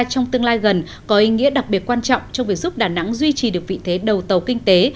trong tương lai gần có ý nghĩa đặc biệt quan trọng trong việc giúp đà nẵng duy trì được vị thế đầu tàu kinh tế